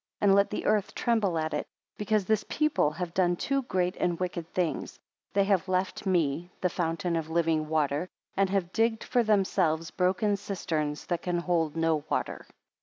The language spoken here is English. and let the earth tremble at it, because this people have done two great and wicked things: they have left me, the fountain of living water, and have digged for themselves broken cisterns, that can hold no water.